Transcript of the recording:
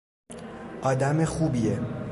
آدم خوبیه!